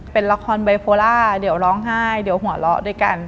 เป็นละครไบโพล่าเดี๋ยวร้องไห้เดี๋ยวหัวเราะด้วยกัน